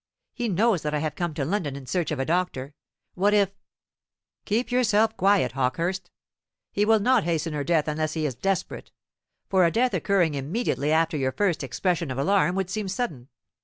He knows that I have come to London in search of a doctor. What if " "Keep yourself quiet, Hawkehurst. He will not hasten her death unless he is desperate; for a death occurring immediately after your first expression of alarm would seem sudden.